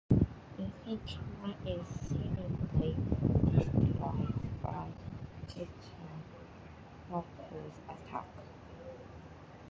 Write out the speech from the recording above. Infinity-Man is seemingly destroyed by Mister Miracle's attack.